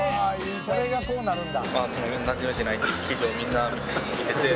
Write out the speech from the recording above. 「それがこうなるんだ」